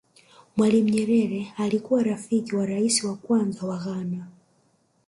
mwalimu nyerere alikuwa rafiki wa rais wa kwanza wa ghana